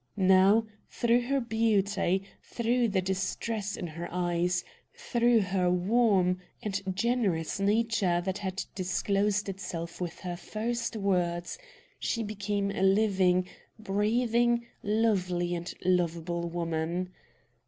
Now, through her beauty, through the distress in her eyes, through her warm and generous nature that had disclosed itself with her first words, she became a living, breathing, lovely, and lovable woman.